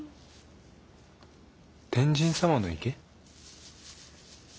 天神様の池？